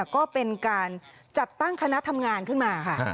ก็เป็นการจัดตั้งคณะทำงานขึ้นมาค่ะ